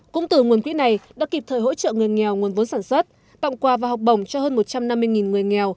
cũng từ nguồn quỹ này đã kịp thời hỗ trợ người nghèo nguồn vốn sản xuất tặng quà và học bổng cho hơn một trăm năm mươi người nghèo